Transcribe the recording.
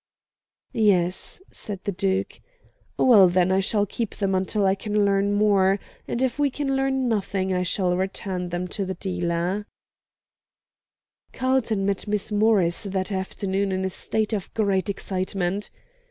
"Yes," said the Duke. "Well, then, I shall keep them until I can learn more; and if we can learn nothing, I shall return them to the dealer." Carlton met Miss Morris that afternoon in a state of great excitement.